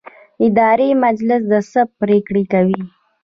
اداري مجلس څه پریکړې کوي؟